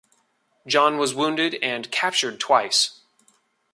John was wounded and captured twice.